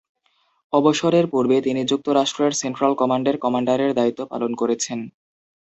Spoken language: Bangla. অবসরের পূর্বে তিনি যুক্তরাষ্ট্রের সেন্ট্রাল কমান্ডের কমান্ডারের দায়িত্ব পালন করেছেন।